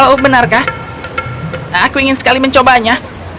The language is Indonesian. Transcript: oh benarkah nah aku ingin sekali mencobanya